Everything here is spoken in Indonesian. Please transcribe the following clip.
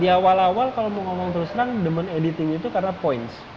di awal awal kalau mau ngomong terus terang demand editing itu karena point